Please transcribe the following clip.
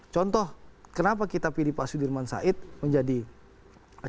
contoh kenapa kita pilih pak sudirman said menjadi ketua